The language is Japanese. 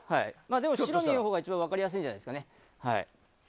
でも、白身が一番分かりやすいんじゃないですかね。